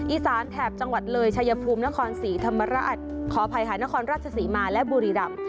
แถบจังหวัดเลยชายภูมินครศรีธรรมราชขออภัยค่ะนครราชศรีมาและบุรีรำ